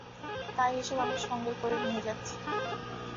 তাই এসব আমি সঙ্গে করে নিয়ে যাচ্ছি।